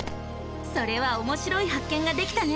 それはおもしろい発見ができたね！